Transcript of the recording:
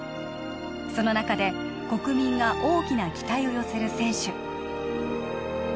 その中で国民が大きな期待を寄せる選手